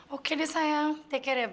oke deh sayang take care ya babe